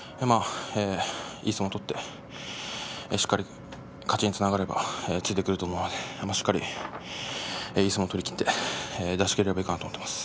いい相撲を取ってしっかり勝ちにつながればついてくると思うのでしっかりいい相撲を取りきって出しきればいいかなと思います。